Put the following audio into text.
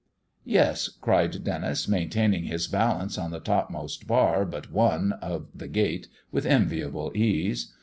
"Yes," cried Denis, maintaining his balance on the topmost bar but one of the gate with enviable ease.